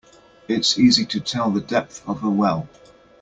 It's easy to tell the depth of a well.